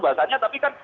bahasanya tapi kan